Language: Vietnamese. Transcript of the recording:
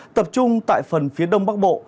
tập trung tại phần phía đông bắc bộ